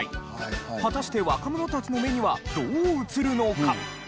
果たして若者たちの目にはどう映るのか？